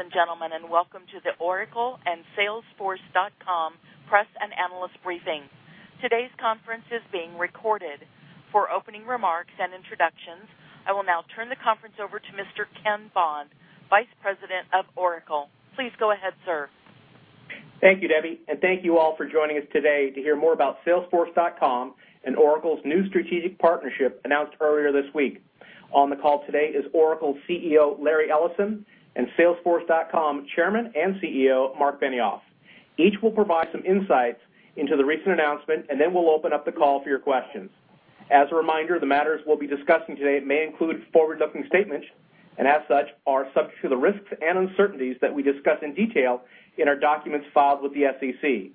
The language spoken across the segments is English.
Good day, ladies and gentlemen, and welcome to the Oracle and Salesforce.com press and analyst briefing. Today's conference is being recorded. For opening remarks and introductions, I will now turn the conference over to Mr. Ken Bond, Vice President of Oracle. Please go ahead, sir. Thank you, Debbie, thank you all for joining us today to hear more about Salesforce.com and Oracle's new strategic partnership announced earlier this week. On the call today is Oracle's CEO, Larry Ellison, and Salesforce.com Chairman and CEO, Marc Benioff. Each will provide some insights into the recent announcement, then we'll open up the call for your questions. As a reminder, the matters we'll be discussing today may include forward-looking statements, as such, are subject to the risks and uncertainties that we discuss in detail in our documents filed with the SEC.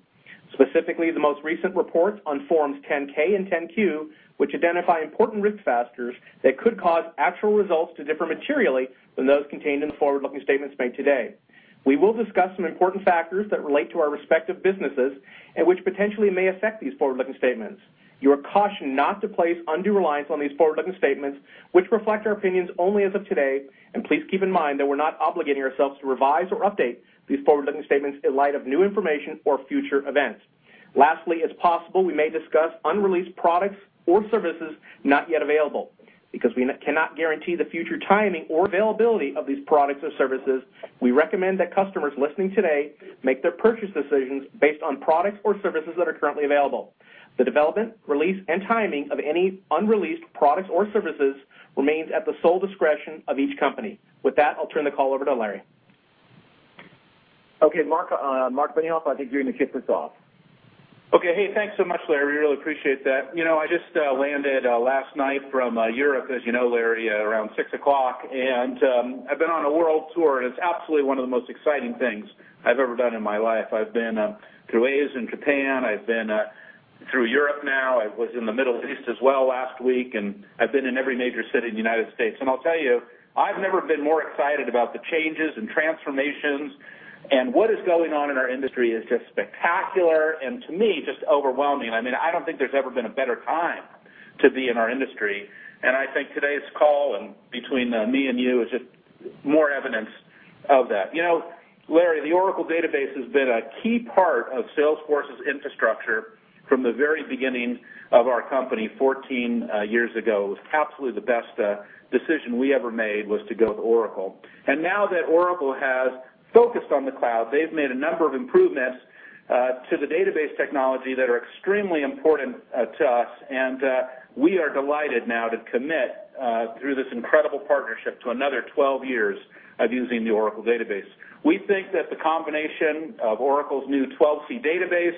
Specifically, the most recent reports on forms 10-K and 10-Q, which identify important risk factors that could cause actual results to differ materially from those contained in the forward-looking statements made today. We will discuss some important factors that relate to our respective businesses potentially may affect these forward-looking statements. You are cautioned not to place undue reliance on these forward-looking statements, which reflect our opinions only as of today, please keep in mind that we're not obligating ourselves to revise or update these forward-looking statements in light of new information or future events. Lastly, it's possible we may discuss unreleased products or services not yet available. Because we cannot guarantee the future timing or availability of these products or services, we recommend that customers listening today make their purchase decisions based on products or services that are currently available. The development, release, and timing of any unreleased products or services remains at the sole discretion of each company. With that, I'll turn the call over to Larry. Okay, Marc Benioff, I think you're going to kick this off. Okay. Hey, thanks so much, Larry. Really appreciate that. I just landed last night from Europe, as you know, Larry, around six o'clock, I've been on a world tour, it's absolutely one of the most exciting things I've ever done in my life. I've been through Asia and Japan. I've been through Europe now. I was in the Middle East as well last week, I've been in every major city in the United States. I'll tell you, I've never been more excited about the changes and transformations, what is going on in our industry is just spectacular and to me, just overwhelming. I don't think there's ever been a better time to be in our industry. I think today's call between me and you is just more evidence of that. Larry, the Oracle Database has been a key part of Salesforce's infrastructure from the very beginning of our company 14 years ago. It was absolutely the best decision we ever made, was to go with Oracle. Now that Oracle has focused on the cloud, they've made a number of improvements to the database technology that are extremely important to us. We are delighted now to commit, through this incredible partnership, to another 12 years of using the Oracle Database. We think that the combination of Oracle Database 12c,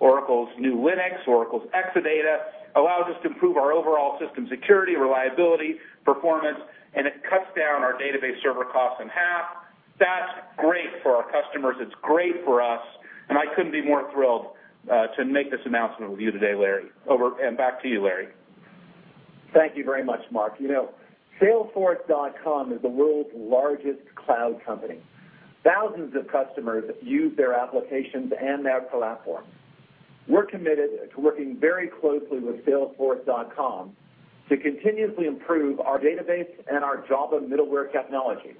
Oracle Linux, Oracle Exadata, allows us to improve our overall system security, reliability, performance, and it cuts down our database server cost in half. That's great for our customers, it's great for us, and I couldn't be more thrilled to make this announcement with you today, Larry. Over and back to you, Larry. Thank you very much, Marc. Salesforce.com is the world's largest cloud company. Thousands of customers use their applications and their platform. We're committed to working very closely with Salesforce.com to continuously improve our database and our Java middleware technology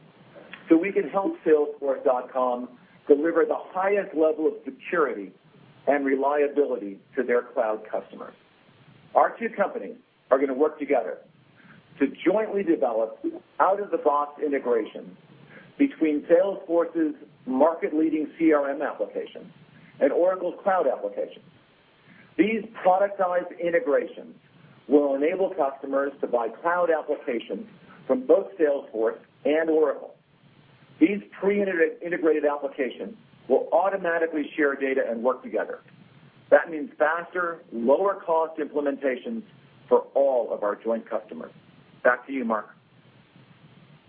so we can help Salesforce.com deliver the highest level of security and reliability to their cloud customers. Our two companies are going to work together to jointly develop out-of-the-box integration between Salesforce's market-leading CRM applications and Oracle's cloud applications. These productized integrations will enable customers to buy cloud applications from both Salesforce and Oracle. These pre-integrated applications will automatically share data and work together. That means faster, lower-cost implementations for all of our joint customers. Back to you, Marc.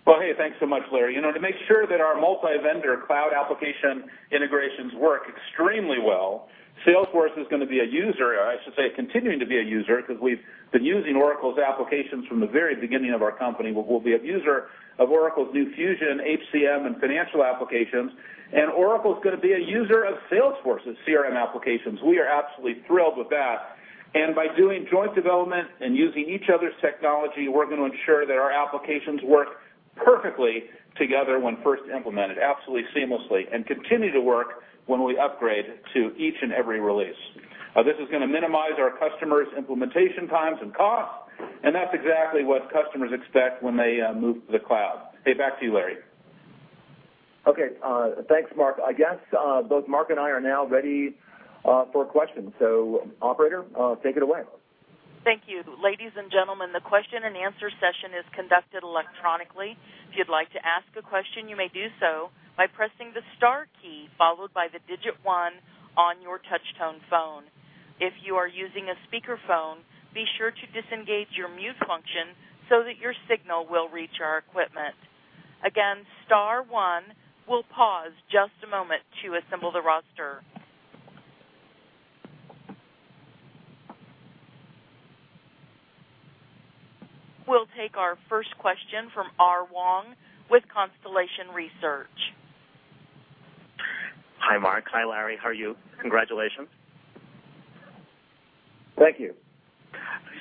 Well, hey, thanks so much, Larry. To make sure that our multi-vendor cloud application integrations work extremely well, Salesforce is going to be a user, or I should say, continuing to be a user, because we've been using Oracle's applications from the very beginning of our company. We'll be a user of Oracle Fusion Cloud HCM and Oracle Fusion Cloud Financials, and Oracle's going to be a user of Salesforce's CRM applications. We are absolutely thrilled with that. By doing joint development and using each other's technology, we're going to ensure that our applications work perfectly together when first implemented, absolutely seamlessly, and continue to work when we upgrade to each and every release. This is going to minimize our customers' implementation times and costs, and that's exactly what customers expect when they move to the cloud. Okay, back to you, Larry. Okay. Thanks, Marc. I guess both Marc and I are now ready for questions. Operator, take it away. Thank you. Ladies and gentlemen, the question and answer session is conducted electronically. If you'd like to ask a question, you may do so by pressing the star key followed by the digit one on your touch-tone phone. If you are using a speakerphone, be sure to disengage your mute function so that your signal will reach our equipment. Again, star one. We'll pause just a moment to assemble the roster. We'll take our first question from Ray Wang with Constellation Research. Hi, Marc. Hi, Larry. How are you? Congratulations. Thank you.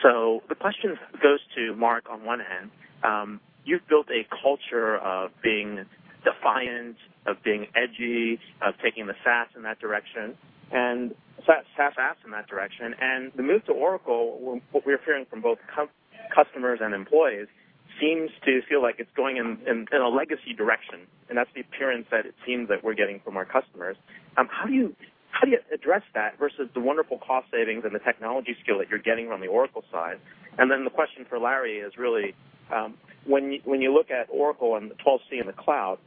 The question goes to Marc on one end. You've built a culture of being defiant, of being edgy, of taking the SaaS in that direction, and SaaS apps in that direction. The move to Oracle, what we're hearing from both customers and employees, seems to feel like it's going in a legacy direction, and that's the appearance that it seems that we're getting from our customers. How do you address that versus the wonderful cost savings and the technology skill that you're getting on the Oracle side? The question for Larry is really, when you look at Oracle and the 12c in the cloud,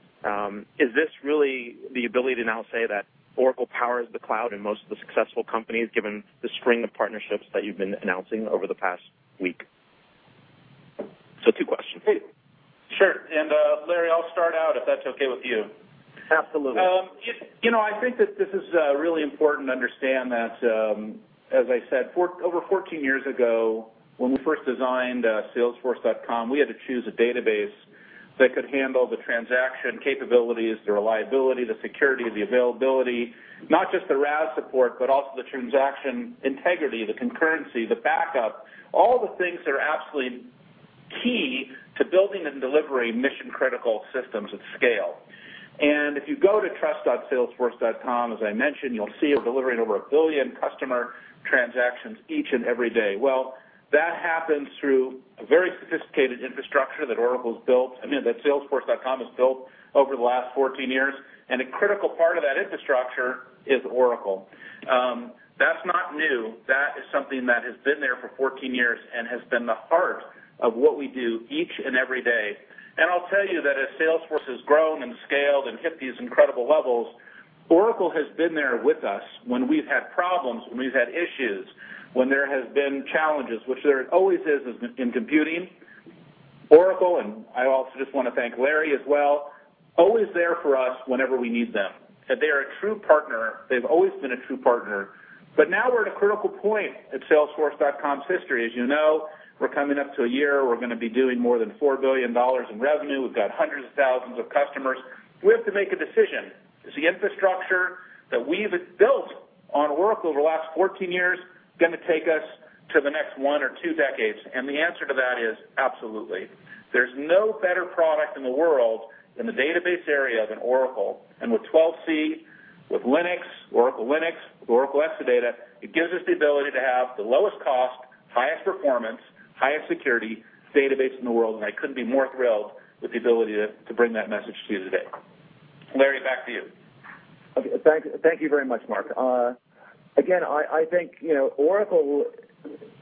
is this really the ability to now say that Oracle powers the cloud in most of the successful companies, given the string of partnerships that you've been announcing over the past week? Two questions. Sure. Larry, I'll start out if that's okay with you. Absolutely. I think that this is really important to understand that, as I said, over 14 years ago, when we first designed salesforce.com, we had to choose a database that could handle the transaction capabilities, the reliability, the security, the availability, not just the RAS support, but also the transaction integrity, the concurrency, the backup, all the things that are absolutely key to building and delivering mission-critical systems at scale. If you go to trust.salesforce.com, as I mentioned, you'll see we're delivering over 1 billion customer transactions each and every day. Well, that happens through a very sophisticated infrastructure that Oracle's built, I mean, that salesforce.com has built over the last 14 years. A critical part of that infrastructure is Oracle. That's not new. That is something that has been there for 14 years and has been the heart of what we do each and every day. I'll tell you that as Salesforce has grown and scaled and hit these incredible levels, Oracle has been there with us when we've had problems, when we've had issues, when there has been challenges, which there always is in computing. Oracle, I also just want to thank Larry as well, always there for us whenever we need them. They are a true partner. They've always been a true partner. Now we're at a critical point in salesforce.com's history. As you know, we're coming up to a year, we're going to be doing more than $4 billion in revenue. We've got hundreds of thousands of customers. We have to make a decision. Is the infrastructure that we've built on Oracle over the last 14 years going to take us to the next one or two decades? The answer to that is absolutely. There's no better product in the world in the database area than Oracle. With 12c, with Linux, Oracle Linux, with Oracle Exadata, it gives us the ability to have the lowest cost, highest performance, highest security database in the world. I couldn't be more thrilled with the ability to bring that message to you today. Larry, back to you. Okay. Thank you very much, Marc. I think Oracle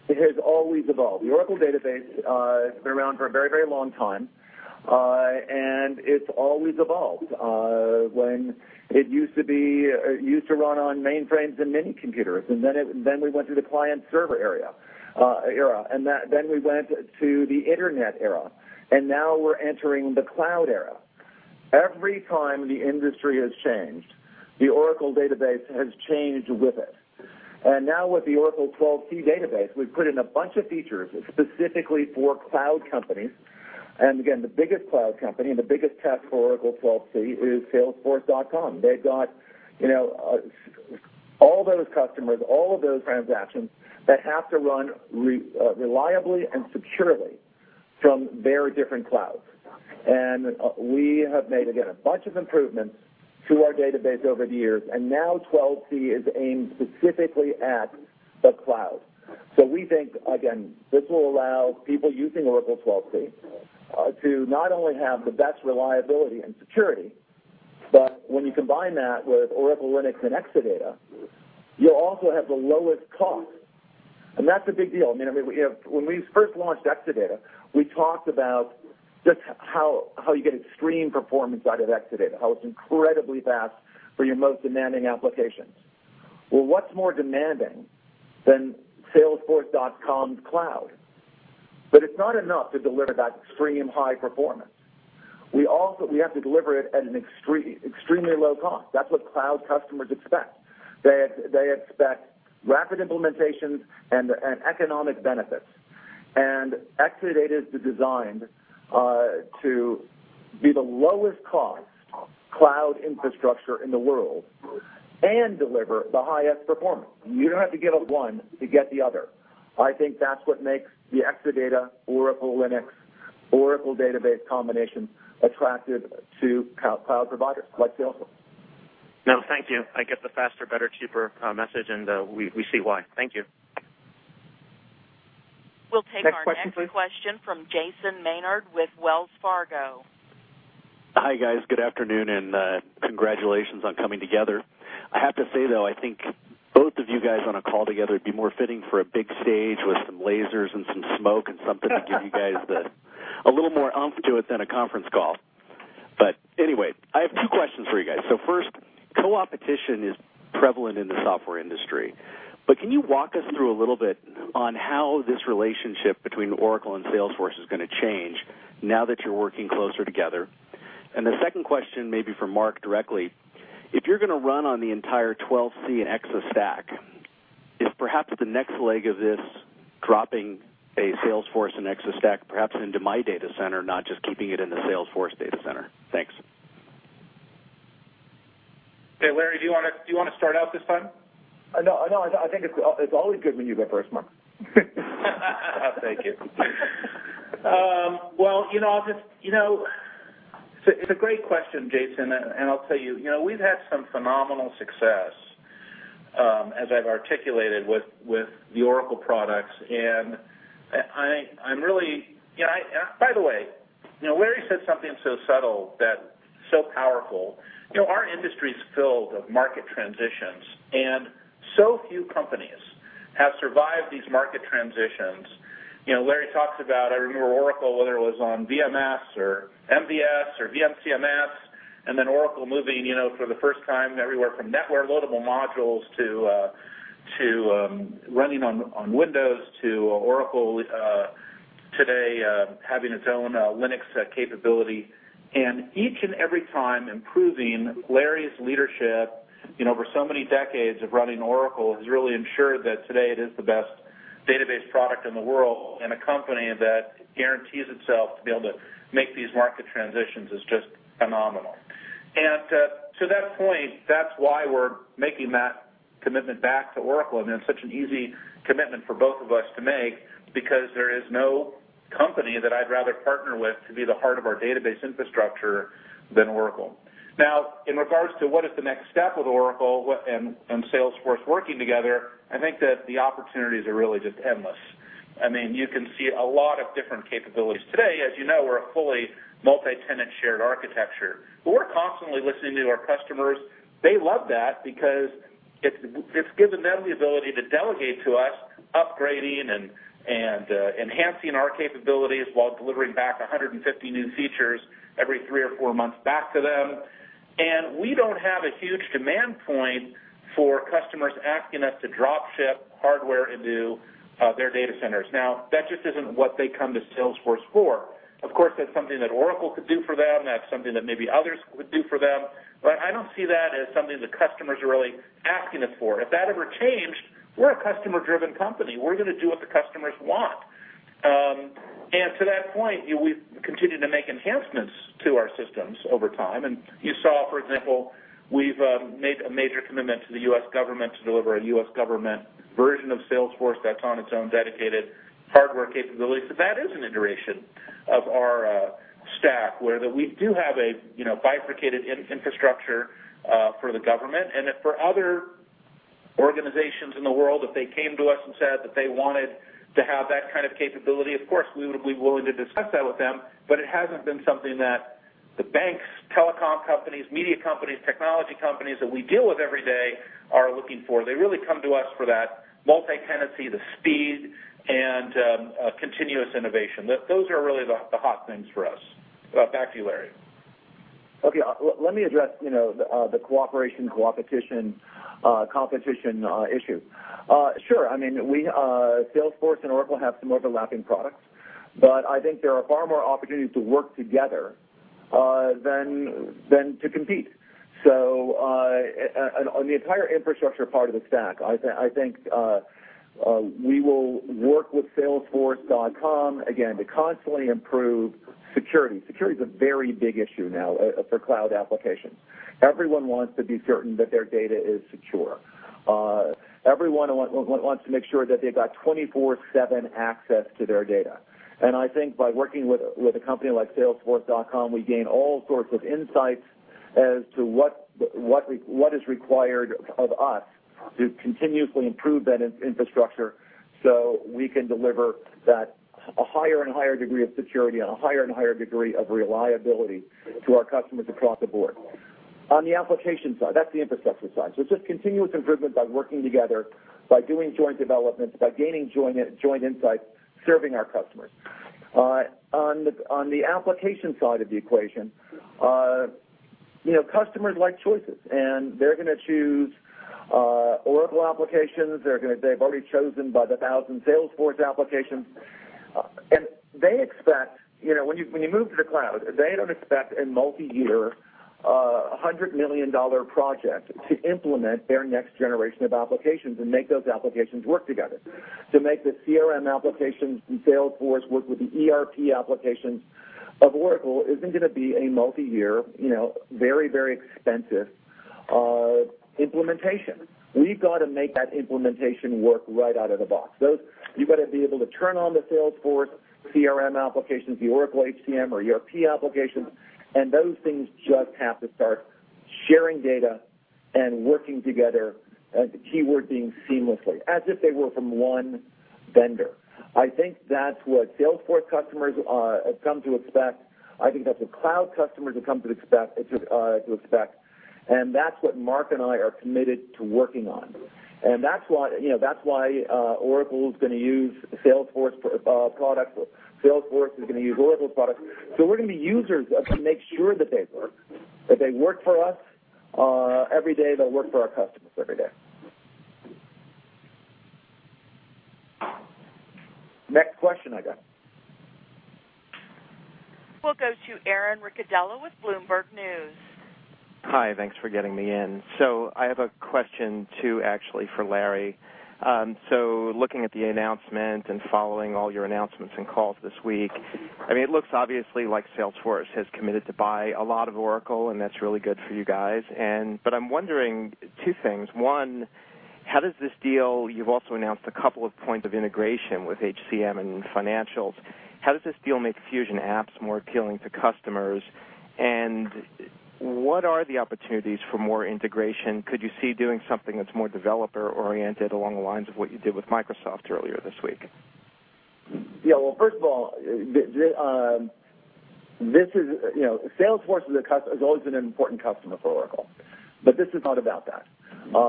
has always evolved. The Oracle Database has been around for a very long time. It's always evolved. When it used to run on mainframes and mini computers, then we went through the client-server era, then we went to the internet era, and now we're entering the cloud era. Every time the industry has changed, the Oracle Database has changed with it. Now with the Oracle 12c Database, we've put in a bunch of features specifically for cloud companies. The biggest cloud company and the biggest test for Oracle 12c is salesforce.com. They've got all those customers, all of those transactions that have to run reliably and securely from very different clouds. We have made a bunch of improvements to our database over the years, and now 12c is aimed specifically at the cloud. We think this will allow people using Oracle 12c to not only have the best reliability and security, but when you combine that with Oracle Linux and Exadata, you'll also have the lowest cost. That's a big deal. When we first launched Exadata, we talked about just how you get extreme performance out of Exadata, how it's incredibly fast for your most demanding applications. What's more demanding than salesforce.com's cloud? It's not enough to deliver that extreme high performance. We have to deliver it at an extremely low cost. That's what cloud customers expect. They expect rapid implementations and economic benefits. Exadata is designed to be the lowest cost cloud infrastructure in the world and deliver the highest performance. You don't have to get one to get the other. I think that's what makes the Exadata, Oracle Linux, Oracle Database combination attractive to cloud providers like Salesforce. No, thank you. I get the faster, better, cheaper message, we see why. Thank you. We'll take Next question, please. Next question from Jason Maynard with Wells Fargo. Hi, guys. Good afternoon. Congratulations on coming together. I have to say, though, I think both of you guys on a call together would be more fitting for a big stage with some lasers and some smoke and something. To give you guys a little more oomph to it than a conference call. Anyway, I have two questions for you guys. First, co-opetition is prevalent in the software industry, but can you walk us through a little bit on how this relationship between Oracle and Salesforce is going to change now that you're working closer together? The second question may be for Marc directly. If you're going to run on the entire 12c and Exastack, perhaps the next leg of this, dropping a Salesforce and Exastack, perhaps into my data center, not just keeping it in the Salesforce data center? Thanks. Okay, Larry, do you want to start out this time? No. I think it's always good when you go first, Marc. Thank you. It's a great question, Jason, I'll tell you, we've had some phenomenal success, as I've articulated, with the Oracle products. By the way, Larry said something so subtle, yet so powerful. Our industry's filled with market transitions, so few companies have survived these market transitions. Larry talks about, I remember Oracle, whether it was on VMS or MVS or VM CMS, then Oracle moving, for the first time, everywhere from network loadable modules to running on Windows, to Oracle today having its own Linux capability. Each and every time improving. Larry's leadership over so many decades of running Oracle has really ensured that today it is the best database product in the world, a company that guarantees itself to be able to make these market transitions is just phenomenal. To that point, that's why we're making that commitment back to Oracle, it's such an easy commitment for both of us to make because there is no company that I'd rather partner with to be the heart of our database infrastructure than Oracle. Now, in regards to what is the next step with Oracle and Salesforce working together, I think that the opportunities are really just endless. You can see a lot of different capabilities. Today, as you know, we're a fully multi-tenant shared architecture, but we're constantly listening to our customers. They love that because it's given them the ability to delegate to us, upgrading and enhancing our capabilities while delivering back 150 new features every three or four months back to them. We don't have a huge demand point for customers asking us to drop ship hardware into their data centers. That just isn't what they come to Salesforce for. Of course, that's something that Oracle could do for them. That's something that maybe others would do for them. I don't see that as something the customers are really asking us for. If that ever changed, we're a customer-driven company. We're going to do what the customers want. To that point, we've continued to make enhancements to our systems over time. You saw, for example, we've made a major commitment to the U.S. government to deliver a U.S. government version of Salesforce that's on its own dedicated hardware capabilities. That is an iteration of our stack, where that we do have a bifurcated infrastructure for the government, and if for other organizations in the world, if they came to us and said that they wanted to have that kind of capability, of course, we would be willing to discuss that with them. It hasn't been something that the banks, telecom companies, media companies, technology companies that we deal with every day are looking for. They really come to us for that multi-tenancy, the speed, and continuous innovation. Those are really the hot things for us. Back to you, Larry. Okay. Let me address the cooperation competition issue. Sure, Salesforce and Oracle have some overlapping products, I think there are far more opportunities to work together than to compete. On the entire infrastructure part of the stack, I think we will work with salesforce.com, again, to constantly improve security. Security is a very big issue now for cloud applications. Everyone wants to be certain that their data is secure. Everyone wants to make sure that they've got 24/7 access to their data. I think by working with a company like salesforce.com, we gain all sorts of insights as to what is required of us to continuously improve that infrastructure so we can deliver a higher and higher degree of security and a higher and higher degree of reliability to our customers across the board. On the application side, that's the infrastructure side. It's just continuous improvement by working together, by doing joint developments, by gaining joint insights, serving our customers. On the application side of the equation, customers like choices, they're going to choose Oracle applications. They've already chosen, by the thousands, Salesforce applications. When you move to the cloud, they don't expect a multi-year, $100 million project to implement their next generation of applications and make those applications work together. To make the CRM applications in Salesforce work with the ERP applications of Oracle isn't going to be a multi-year, very expensive implementation. We've got to make that implementation work right out of the box. You've got to be able to turn on the Salesforce CRM applications, the Oracle HCM or ERP applications, those things just have to start sharing data and working together, the keyword being seamlessly, as if they were from one vendor. I think that's what Salesforce customers have come to expect. I think that's what cloud customers have come to expect, that's what Marc and I are committed to working on. That's why Oracle's going to use Salesforce products. Salesforce is going to use Oracle's products. We're going to be users of them to make sure that they work. If they work for us every day, they'll work for our customers every day. Next question, I got it. We'll go to Aaron Ricadela with Bloomberg News. Hi. Thanks for getting me in. I have a question too, actually, for Larry. Looking at the announcement and following all your announcements and calls this week, it looks obviously like Salesforce has committed to buy a lot of Oracle, and that's really good for you guys. I'm wondering two things. One, you've also announced a couple of points of integration with HCM and Financials. How does this deal make Fusion Apps more appealing to customers, and what are the opportunities for more integration? Could you see doing something that's more developer-oriented along the lines of what you did with Microsoft earlier this week? Yeah. Well, first of all, Salesforce has always been an important customer for Oracle, this is not about that.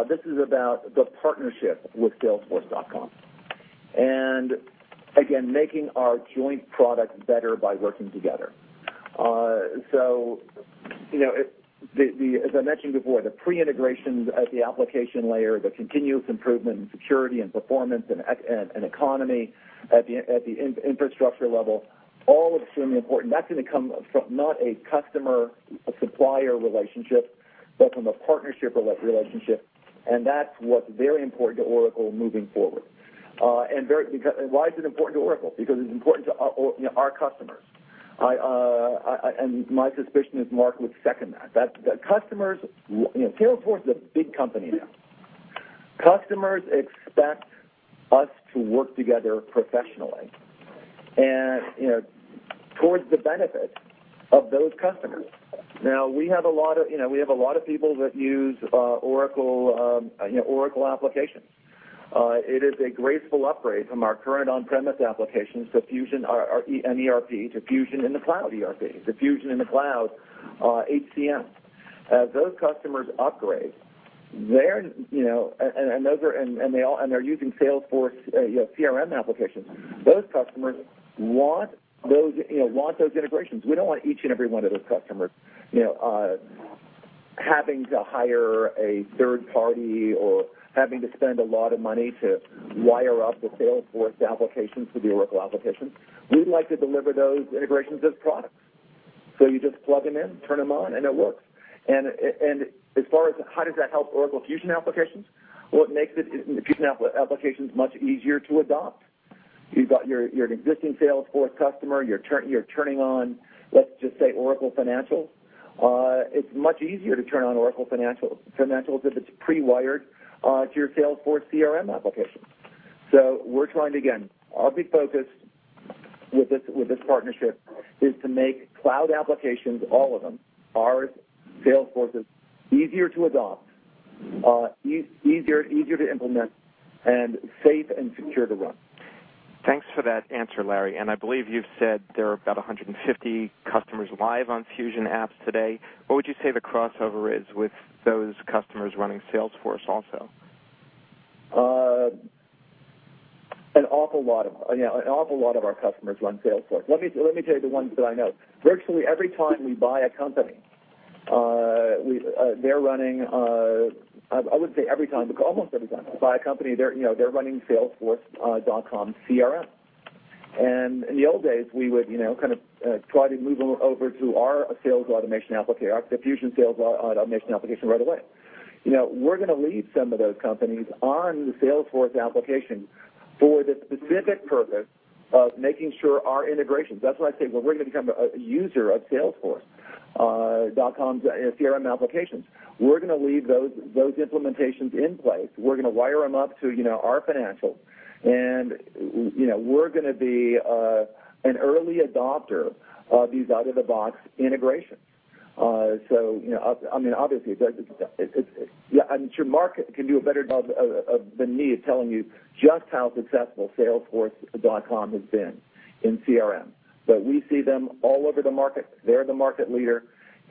This is about the partnership with salesforce.com, again, making our joint product better by working together. As I mentioned before, the pre-integrations at the application layer, the continuous improvement in security and performance and economy at the infrastructure level, all extremely important. That's going to come from not a customer-supplier relationship, but from a partnership relationship, that's what's very important to Oracle moving forward. Why is it important to Oracle? Because it's important to our customers. My suspicion is Marc would second that. Salesforce is a big company now. Customers expect us to work together professionally and towards the benefit of those customers. We have a lot of people that use Oracle applications. It is a graceful upgrade from our current on-premise applications to Fusion and ERP, to Fusion in the Cloud ERP, to Fusion in the Cloud HCM. As those customers upgrade, and they're using Salesforce CRM applications, those customers want those integrations. We don't want each and every one of those customers having to hire a third party or having to spend a lot of money to wire up the Salesforce applications to the Oracle applications. We'd like to deliver those integrations as products. You just plug them in, turn them on, and it works. As far as how does that help Oracle Fusion applications, well, it makes the Fusion applications much easier to adopt. You've got your existing Salesforce customer. You're turning on, let's just say, Oracle Financial. It's much easier to turn on Oracle Financial if it's pre-wired to your Salesforce CRM application. We're trying to, again, our big focus with this partnership is to make cloud applications, all of them, ours, Salesforce's, easier to adopt, easier to implement, and safe and secure to run. Thanks for that answer, Larry. I believe you've said there are about 150 customers live on Fusion apps today. What would you say the crossover is with those customers running Salesforce also? An awful lot of our customers run Salesforce. Let me tell you the ones that I know. Virtually every time we buy a company, I wouldn't say every time, but almost every time we buy a company, they're running salesforce.com CRM. In the old days, we would try to move them over to our sales automation application, the Fusion sales automation application right away. We're going to leave some of those companies on the Salesforce application for the specific purpose of making sure our integrations. That's why I say, well, we're going to become a user of salesforce.com's CRM applications. We're going to leave those implementations in place. We're going to wire them up to our financials, we're going to be an early adopter of these out-of-the-box integrations. Obviously, I'm sure Marc can do a better job than me of telling you just how successful Salesforce.com has been in CRM, we see them all over the market. They're the market leader,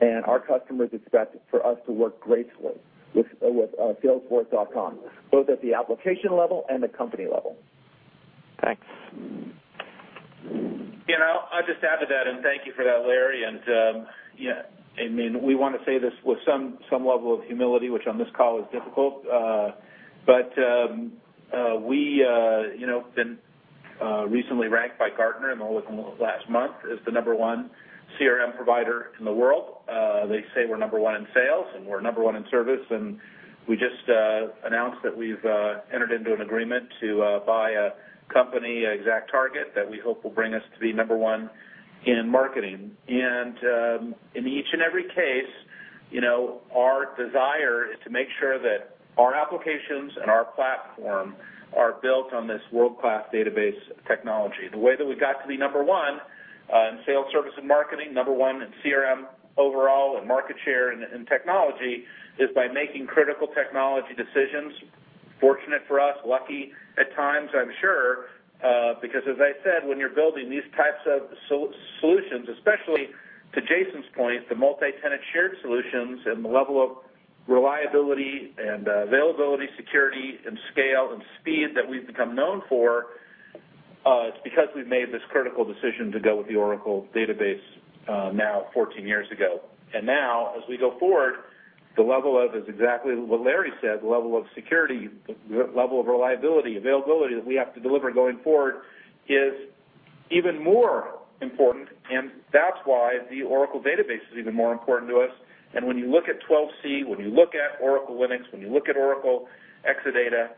our customers expect for us to work gracefully with Salesforce.com, both at the application level and the company level. Thanks. I'll just add to that, thank you for that, Larry. We want to say this with some level of humility, which on this call is difficult. We have been recently ranked by Gartner in the last month as the number one CRM provider in the world. They say we're number one in sales, we're number one in service, we just announced that we've entered into an agreement to buy a company, ExactTarget, that we hope will bring us to be number one in marketing. In each and every case, our desire is to make sure that our applications and our platform are built on this world-class database technology. The way that we got to be number one in sales, service, and marketing, number one in CRM overall, market share and technology, is by making critical technology decisions. Fortunate for us, lucky at times, I'm sure, because as I said, when you're building these types of solutions, especially to Jason Maynard's point, the multi-tenant shared solutions and the level of reliability and availability, security and scale and speed that we've become known for, it's because we've made this critical decision to go with the Oracle Database now 14 years ago. Now, as we go forward, is exactly what Larry said, the level of security, the level of reliability, availability that we have to deliver going forward is even more important, that's why the Oracle Database is even more important to us. When you look at 12c, when you look at Oracle Linux, when you look at Oracle Exadata,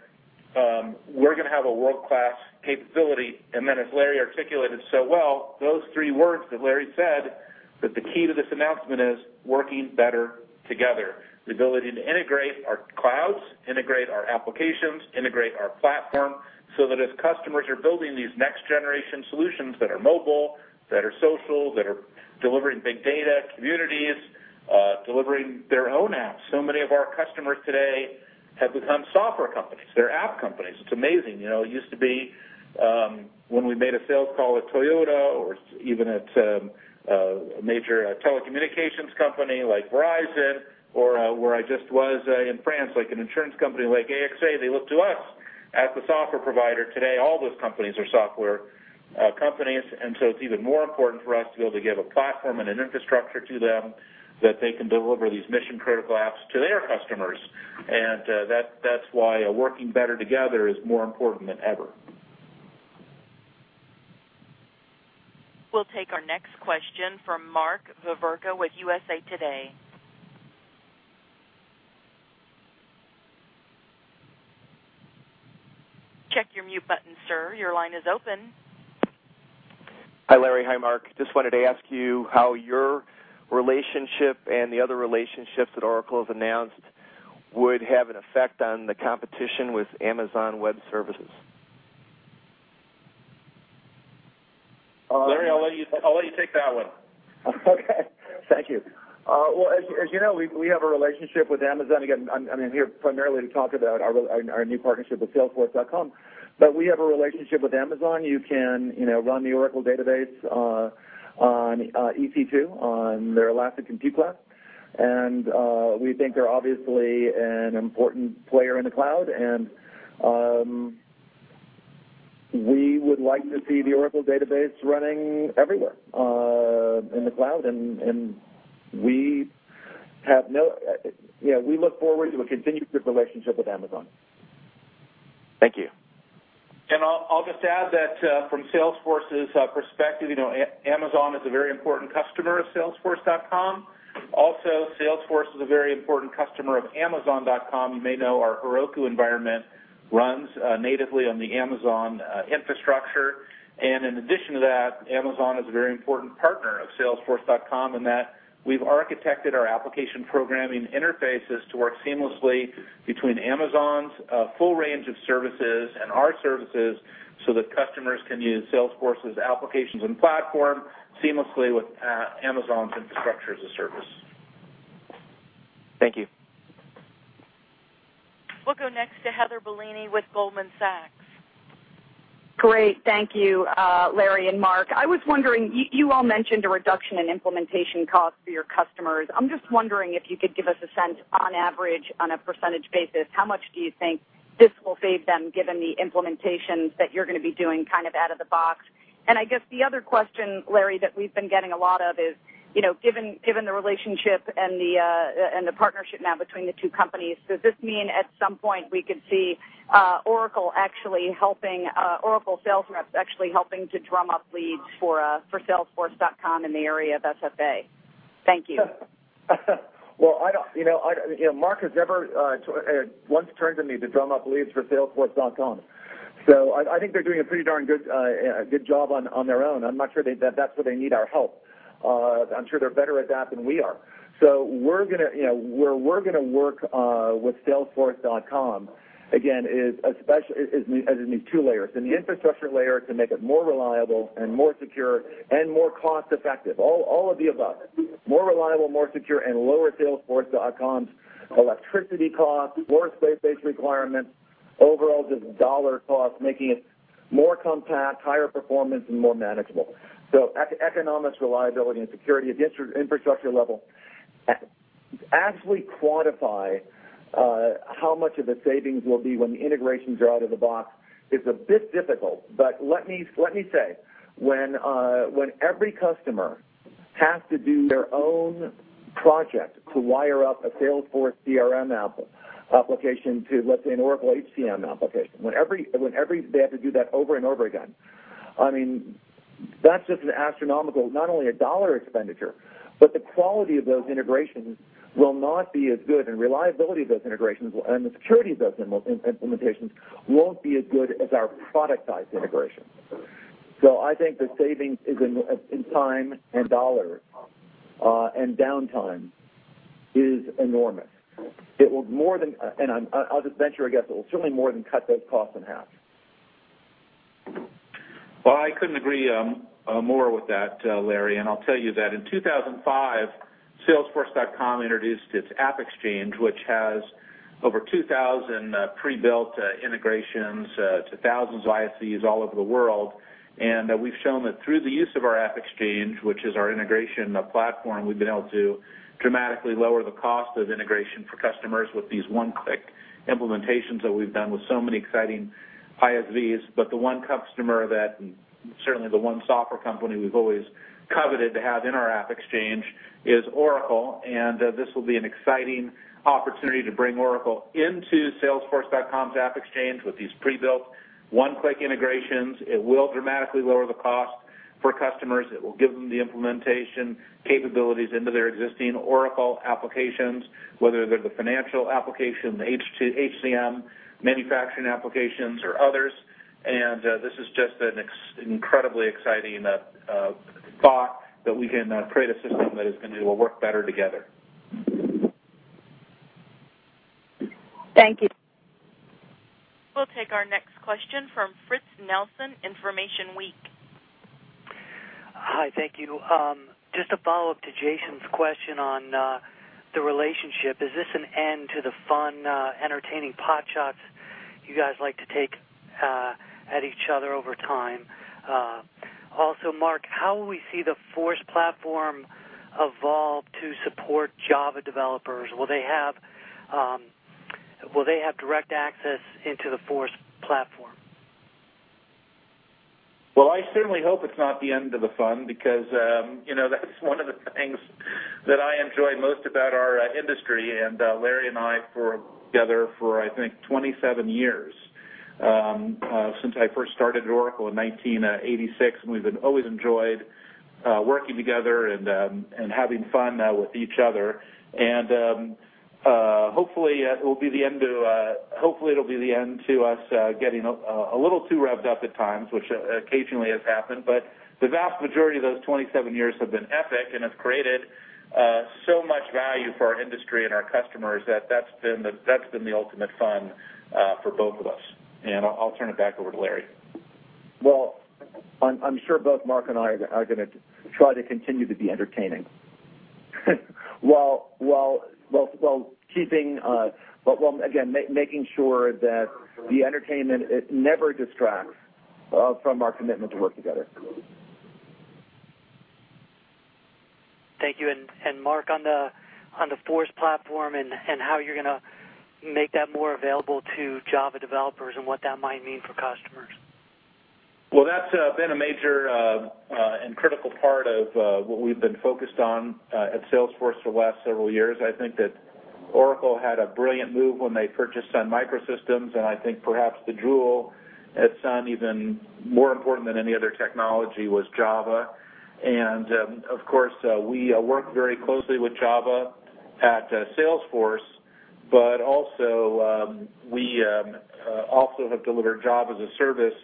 we're going to have a world-class capability. As Larry articulated so well, those three words that Larry said, that the key to this announcement is working better together. The ability to integrate our clouds, integrate our applications, integrate our platform, so that as customers are building these next-generation solutions that are mobile, that are social, that are delivering big data, communities, delivering their own apps. Many of our customers today have become software companies. They're app companies. It's amazing. It used to be, when we made a sales call at Toyota or even at a major telecommunications company like Verizon or where I just was in France, like an insurance company like AXA, they look to us as the software provider. Today, all those companies are software companies. It's even more important for us to be able to give a platform and an infrastructure to them that they can deliver these mission-critical apps to their customers. That's why working better together is more important than ever. We'll take our next question from Mark Veverka with USA Today. Check your mute button, sir. Your line is open. Hi, Larry. Hi, Marc. Just wanted to ask you how your relationship and the other relationships that Oracle has announced would have an effect on the competition with Amazon Web Services. Larry, I'll let you take that one. Okay. Thank you. Well, as you know, we have a relationship with Amazon. Again, I'm here primarily to talk about our new partnership with Salesforce.com. We have a relationship with Amazon. You can run the Oracle Database on EC2, on their Elastic Compute Cloud. We think they're obviously an important player in the cloud, and we would like to see the Oracle Database running everywhere in the cloud, and we look forward to a continued good relationship with Amazon. Thank you. I'll just add that from Salesforce's perspective, Amazon is a very important customer of Salesforce.com. Also, Salesforce is a very important customer of Amazon.com. You may know our Heroku environment runs natively on the Amazon infrastructure. In addition to that, Amazon is a very important partner of Salesforce.com in that we've architected our application programming interfaces to work seamlessly between Amazon's full range of services and our services so that customers can use Salesforce's applications and platform seamlessly with Amazon's infrastructure as a service. Thank you. We'll go next to Heather Bellini with Goldman Sachs. Great. Thank you, Larry and Mark. I was wondering, you all mentioned a reduction in implementation costs for your customers. I'm just wondering if you could give us a sense, on average, on a percentage basis, how much do you think this will save them given the implementations that you're going to be doing out of the box? I guess the other question, Larry, that we've been getting a lot of is, given the relationship and the partnership now between the two companies, does this mean at some point we could see Oracle sales reps actually helping to drum up leads for Salesforce.com in the area of SFA? Thank you. Well, Mark has never once turned to me to drum up leads for Salesforce.com. I think they're doing a pretty darn good job on their own. I'm not sure that's where they need our help. I'm sure they're better at that than we are. Where we're going to work with Salesforce.com, again, is in these two layers. In the infrastructure layer to make it more reliable and more secure and more cost-effective. All of the above. More reliable, more secure, and lower Salesforce.com's electricity costs, floor space requirements, overall just $ costs, making it more compact, higher performance, and more manageable. Economics, reliability, and security at the infrastructure level. To actually quantify how much of the savings will be when the integrations are out of the box is a bit difficult. Let me say, when every customer has to do their own project to wire up a Salesforce CRM application to, let's say, an Oracle HCM application, when they have to do that over and over again, that's just an astronomical, not only a $ expenditure, but the quality of those integrations will not be as good, and reliability of those integrations and the security of those implementations won't be as good as our productized integration. I think the savings in time and $ and downtime is enormous. I'll just venture a guess, it will certainly more than cut those costs in half. Well, I couldn't agree more with that, Larry. I'll tell you that in 2005, Salesforce.com introduced its AppExchange, which has over 2,000 pre-built integrations to thousands of ISVs all over the world. We've shown that through the use of our AppExchange, which is our integration platform, we've been able to dramatically lower the cost of integration for customers with these one-click implementations that we've done with so many exciting ISVs. The one customer that certainly the one software company we've always coveted to have in our AppExchange is Oracle, and this will be an exciting opportunity to bring Oracle into Salesforce.com's AppExchange with these pre-built one-click integrations. It will dramatically lower the cost for customers. It will give them the implementation capabilities into their existing Oracle applications, whether they're the financial application, the HCM manufacturing applications, or others. This is just an incredibly exciting thought that we can create a system that is going to work better together. Thank you. We'll take our next question from Fritz Nelson, InformationWeek. Hi, thank you. Just a follow-up to Jason's question on the relationship. Is this an end to the fun, entertaining potshots you guys like to take at each other over time? Also, Marc, how will we see the Force Platform evolve to support Java developers? Will they have direct access into the Force Platform? Well, I certainly hope it's not the end of the fun because that's one of the things that I enjoy most about our industry. Larry and I have worked together for, I think, 27 years, since I first started at Oracle in 1986, and we've always enjoyed working together and having fun with each other. Hopefully, it'll be the end to us getting a little too revved up at times, which occasionally has happened. The vast majority of those 27 years have been epic and have created so much value for our industry and our customers that that's been the ultimate fun for both of us. I'll turn it back over to Larry. Well, I'm sure both Marc and I are going to try to continue to be entertaining. While, again, making sure that the entertainment never distracts from our commitment to work together. Thank you. Marc, on the Force Platform and how you're going to make that more available to Java developers and what that might mean for customers. That's been a major and critical part of what we've been focused on at Salesforce for the last several years. I think that Oracle had a brilliant move when they purchased Sun Microsystems, and I think perhaps the jewel at Sun, even more important than any other technology, was Java. Of course, we work very closely with Java at Salesforce, but we also have delivered Java as a service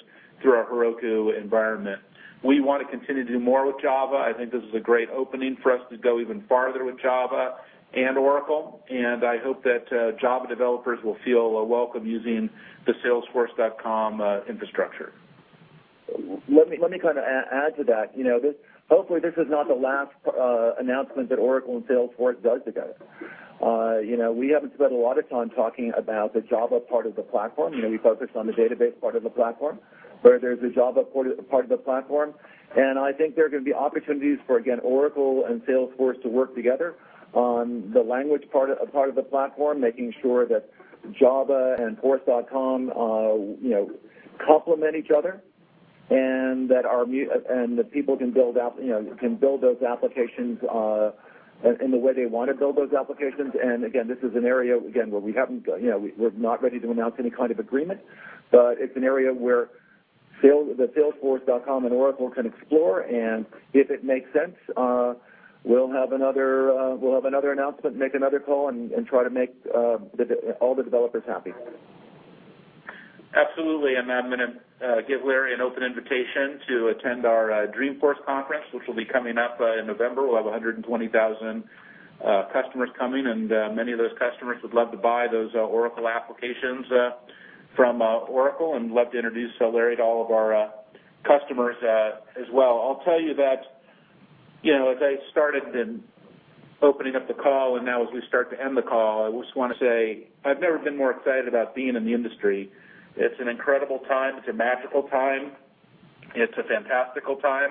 through our Heroku environment. We want to continue to do more with Java. I think this is a great opening for us to go even farther with Java and Oracle, and I hope that Java developers will feel welcome using the salesforce.com infrastructure. Let me add to that. Hopefully, this is not the last announcement that Oracle and Salesforce does together. We haven't spent a lot of time talking about the Java part of the platform. We focused on the database part of the platform, but there's a Java part of the platform, and I think there are going to be opportunities for, again, Oracle and Salesforce to work together on the language part of the platform, making sure that Java and force.com complement each other and that people can build those applications in the way they want to build those applications. Again, this is an area, again, where we're not ready to announce any kind of agreement, but it's an area where the salesforce.com and Oracle can explore, and if it makes sense, we'll have another announcement, make another call, and try to make all the developers happy. Absolutely, I'm going to give Larry an open invitation to attend our Dreamforce conference, which will be coming up in November. We'll have 120,000 customers coming, and many of those customers would love to buy those Oracle applications from Oracle and love to introduce Larry to all of our customers as well. I'll tell you that, as I started in opening up the call, and now as we start to end the call, I just want to say I've never been more excited about being in the industry. It's an incredible time. It's a magical time. It's a fantastical time.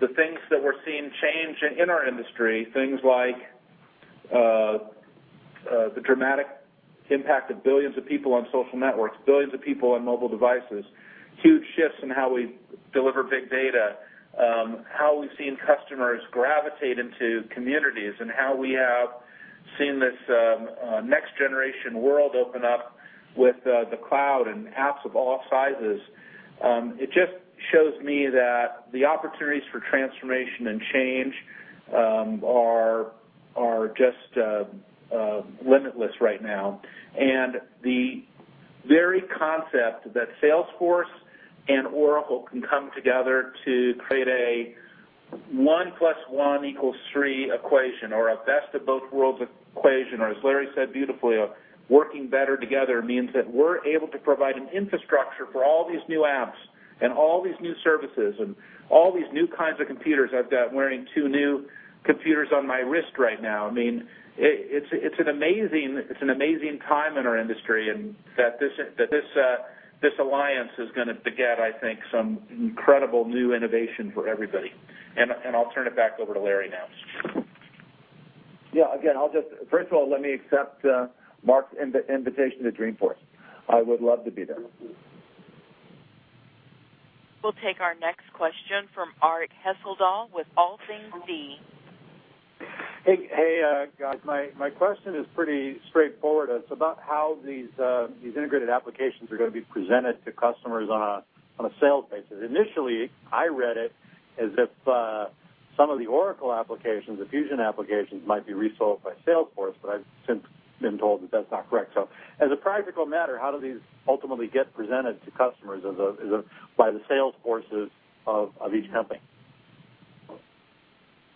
The things that we're seeing change in our industry, things like the dramatic impact of billions of people on social networks, billions of people on mobile devices, huge shifts in how we deliver big data, how we've seen customers gravitate into communities, and how we have seen this next-generation world open up with the cloud and apps of all sizes. It just shows me that the opportunities for transformation and change are just limitless right now. The very concept that Salesforce and Oracle can come together to create a one plus one equals three equation, or a best of both worlds equation, or, as Larry said beautifully, a working better together means that we're able to provide an infrastructure for all these new apps and all these new services and all these new kinds of computers. I'm wearing two new computers on my wrist right now. It's an amazing time in our industry, that this alliance is going to beget, I think, some incredible new innovation for everybody. I'll turn it back over to Larry now. Yeah. First of all, let me accept Marc's invitation to Dreamforce. I would love to be there. We'll take our next question from Arik Hesseldahl with All Things D. Hey, guys. My question is pretty straightforward. It's about how these integrated applications are going to be presented to customers on a sales basis. Initially, I read it as if some of the Oracle applications, the Fusion applications, might be resold by Salesforce, I've since been told that that's not correct. As a practical matter, how do these ultimately get presented to customers by the Salesforces of each company?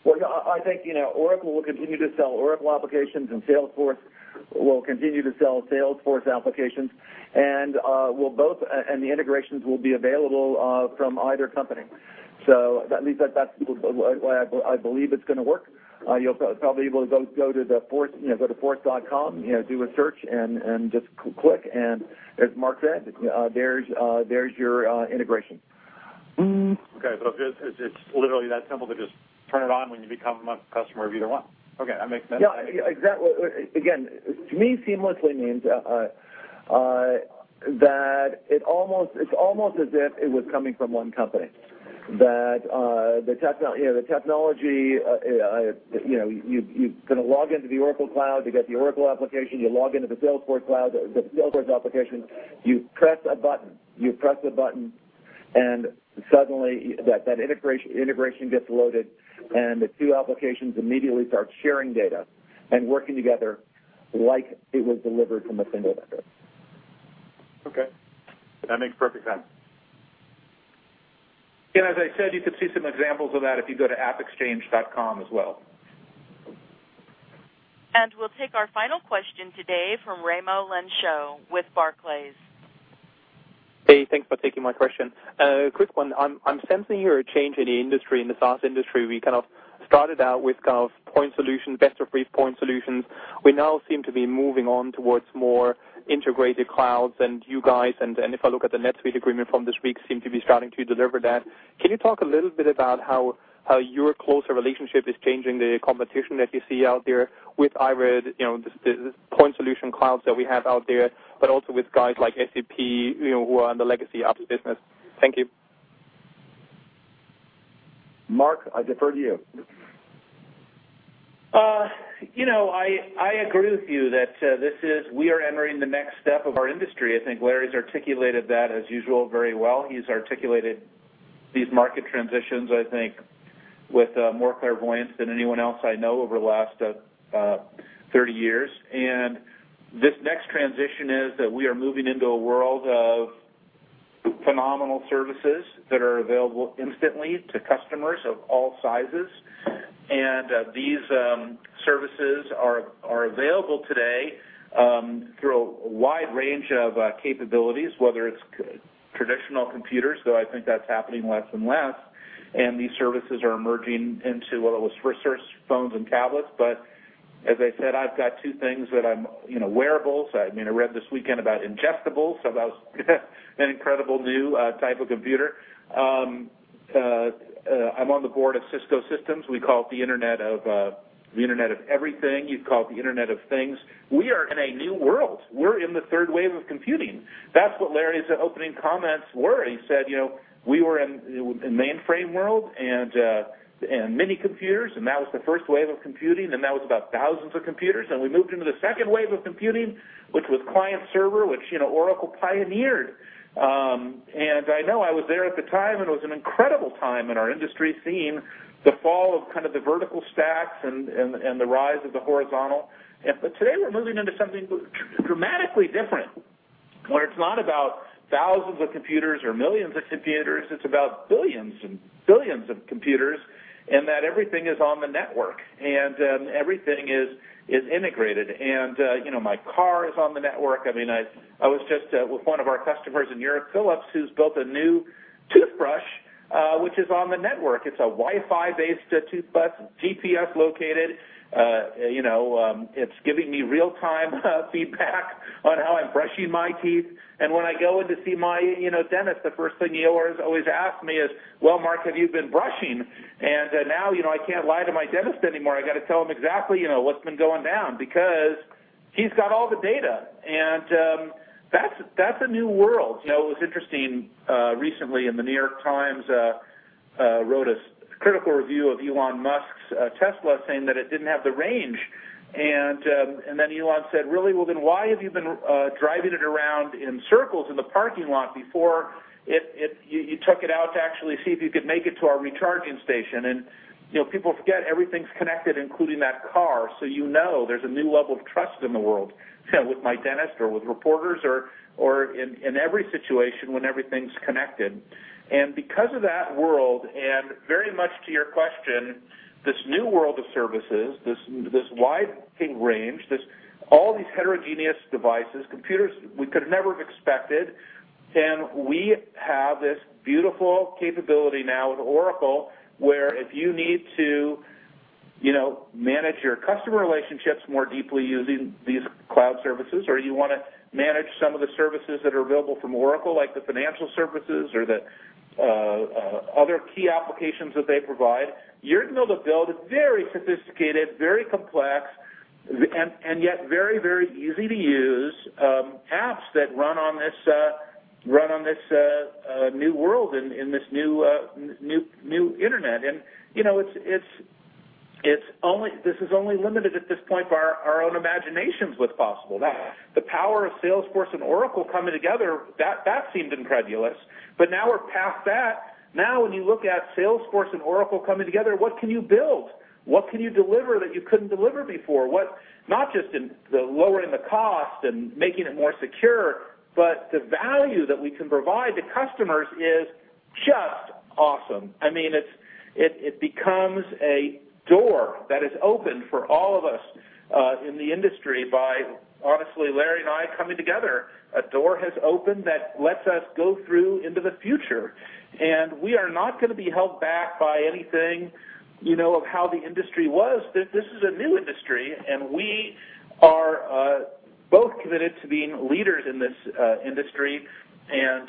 I think Oracle will continue to sell Oracle applications, and Salesforce will continue to sell Salesforce applications. The integrations will be available from either company. At least that's the way I believe it's going to work. You'll probably be able to go to force.com, do a search, and just click, and as Marc said, there's your integration. Okay. It's literally that simple to just turn it on when you become a customer of either one. Okay, that makes sense. Yeah, exactly. Again, to me, seamlessly means that it's almost as if it was coming from one company. The technology, you're going to log into the Oracle Cloud to get the Oracle application. You log into the Salesforce Cloud, the Salesforce application, you press a button, suddenly that integration gets loaded, and the two applications immediately start sharing data and working together like it was delivered from a single vendor. Okay. That makes perfect sense. As I said, you could see some examples of that if you go to appexchange.com as well. We'll take our final question today from Raimo Lenschow with Barclays. Hey, thanks for taking my question. Quick one. I'm sensing here a change in the industry, in the SaaS industry. We started out with point solutions, best-of-breed point solutions. We now seem to be moving on towards more integrated clouds, and you guys, and if I look at the NetSuite agreement from this week, seem to be starting to deliver that. Can you talk a little bit about how your closer relationship is changing the competition that you see out there with IRED, the point solution clouds that we have out there, but also with guys like SAP, who are in the legacy apps business? Thank you. Mark, I defer to you. I agree with you that we are entering the next step of our industry. I think Larry's articulated that, as usual, very well. He's articulated these market transitions, I think, with more clairvoyance than anyone else I know over the last 30 years. This next transition is that we are moving into a world of phenomenal services that are available instantly to customers of all sizes. These services are available today through a wide range of capabilities, whether it's traditional computers, though I think that's happening less and less, and these services are emerging into what was research phones and tablets. As I said, I've got two things that I'm, wearables. I read this weekend about ingestibles, about an incredible new type of computer. I'm on the board of Cisco Systems. We call it the Internet of Everything. You'd call it the Internet of Things. We are in a new world. We're in the third wave of computing. That's what Larry's opening comments were. He said we were in mainframe world and mini computers, and that was the first wave of computing, and that was about thousands of computers. We moved into the second wave of computing, which was client server, which Oracle pioneered. I know I was there at the time, and it was an incredible time in our industry, seeing the fall of the vertical stacks and the rise of the horizontal. Today, we're moving into something dramatically different, where it's not about thousands of computers or millions of computers, it's about billions and billions of computers, and that everything is on the network. Everything is integrated. My car is on the network. I was just with one of our customers in Europe, Philips, who's built a new toothbrush, which is on the network. It's a Wi-Fi-based toothbrush, GPS located. It's giving me real-time feedback on how I'm brushing my teeth. When I go in to see my dentist, the first thing he always asks me is, "Well, Mark, have you been brushing?" Now, I can't lie to my dentist anymore. I got to tell him exactly what's been going down because he's got all the data. That's a new world. It was interesting, recently in "The New York Times" wrote a critical review of Elon Musk's Tesla, saying that it didn't have the range. Then Elon said, "Really? Why have you been driving it around in circles in the parking lot before you took it out to actually see if you could make it to our recharging station?" People forget everything's connected, including that car. You know there's a new level of trust in the world, with my dentist, or with reporters, or in every situation when everything's connected. Because of that world, and very much to your question, this new world of services, this widening range, all these heterogeneous devices, computers we could never have expected. We have this beautiful capability now at Oracle, where if you need to manage your customer relationships more deeply using these cloud services, or you want to manage some of the services that are available from Oracle, like the financial services or the other key applications that they provide. You're going to be able to build very sophisticated, very complex, and yet very, very easy-to-use apps that run on this new world, in this new internet. This is only limited at this point by our own imaginations what's possible. The power of Salesforce and Oracle coming together, that seemed incredulous. Now we're past that. Now when you look at Salesforce and Oracle coming together, what can you build? What can you deliver that you couldn't deliver before? Not just in the lowering the cost and making it more secure, but the value that we can provide to customers is just awesome. It becomes a door that is open for all of us in the industry by, honestly, Larry and I coming together. A door has opened that lets us go through into the future, we are not going to be held back by anything of how the industry was. This is a new industry, we are both committed to being leaders in this industry, and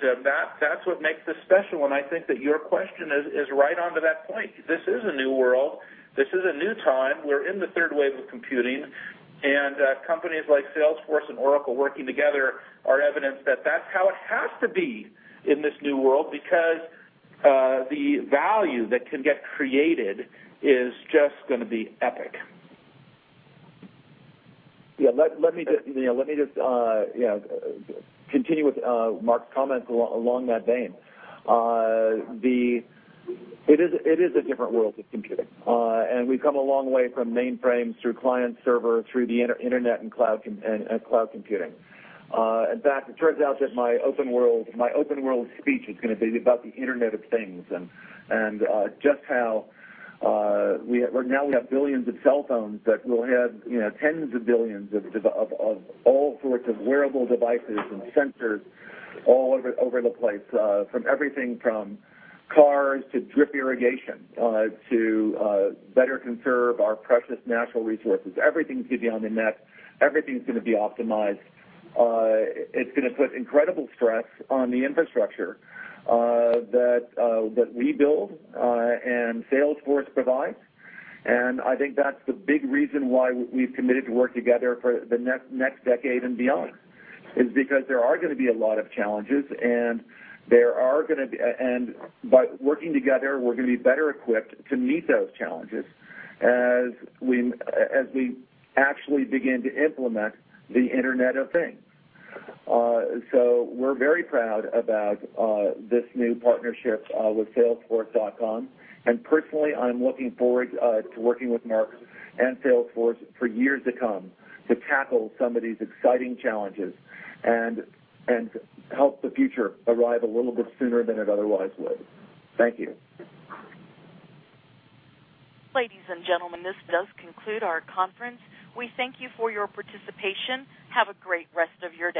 that's what makes this special. I think that your question is right onto that point. This is a new world. This is a new time. We're in the third wave of computing, companies like Salesforce and Oracle working together are evidence that that's how it has to be in this new world because the value that can get created is just going to be epic. Yeah. Let me just continue with Marc's comments along that vein. It is a different world of computing. We've come a long way from mainframes through client server, through the internet, and cloud computing. In fact, it turns out that my OpenWorld speech is going to be about the Internet of Things and just how now we have billions of cell phones, but we'll have tens of billions of all sorts of wearable devices and sensors all over the place, from everything from cars to drip irrigation, to better conserve our precious natural resources. Everything's going to be on the net. Everything's going to be optimized. It's going to put incredible stress on the infrastructure that we build and Salesforce provides. I think that's the big reason why we've committed to work together for the next decade and beyond, is because there are going to be a lot of challenges, by working together, we're going to be better equipped to meet those challenges as we actually begin to implement the Internet of Things. We're very proud about this new partnership with Salesforce.com. Personally, I'm looking forward to working with Marc and Salesforce for years to come to tackle some of these exciting challenges and help the future arrive a little bit sooner than it otherwise would. Thank you. Ladies and gentlemen, this does conclude our conference. We thank you for your participation. Have a great rest of your day.